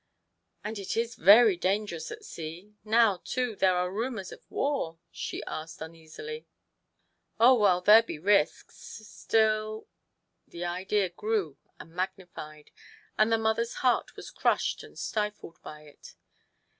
" And is it very dangerous at sea ; now, too., there are rumours of war ?" she asked un easily. " Oh, well, there be risks. Still " The idea grew and magnified, and the mother's heart was crushed and stifled by it.